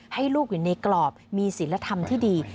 ให้ลูกอยู่ในกรอบมีศิลธรรมที่ดี